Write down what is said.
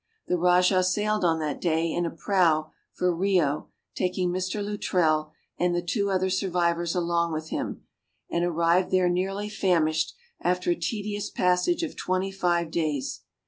The Rajah sailed on that day in a prow for Rhio, taking Mr. Luttrell and the two other survivors along with him, and arrived there nearly famished, after a tedious passage of twenty five days.